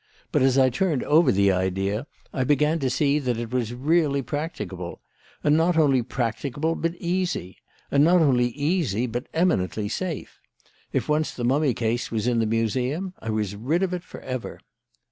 But as I turned over the idea, I began to see that it was really practicable; and not only practicable but easy; and not only easy but eminently safe. If once the mummy case was in the Museum, I was rid of it for ever.